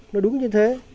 nó đúng như thế